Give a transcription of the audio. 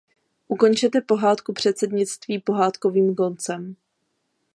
Ukončete pohádku předsednictví pohádkovým koncem.